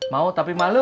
mau tapi malu